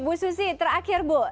bu susi terakhir bu